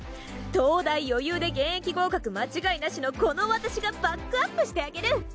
東大余裕で現役合格間違いなしのこの私がバックアップしてあげる！